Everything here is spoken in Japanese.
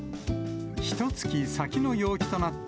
ひとつき先の陽気となった